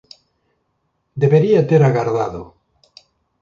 Debería ter agardado.